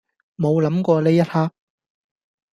冇諗過呢一刻